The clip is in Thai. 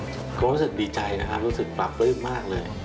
ผมรู้สึกดีใจนะครับรู้สึกปรับรึบมากเลย